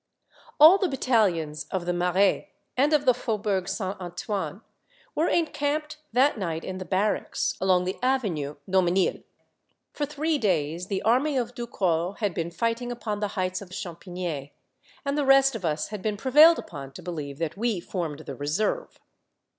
^ All the battalions of the Marais, and of the Faubourg Saint Antoine were encamped that night in the barracks, along the Avenue Daumesnil. For three days the army of Ducrot had been fight ing upon the heights of Champigny, and the rest of us had been prevailed upon to believe that we formed the reserve.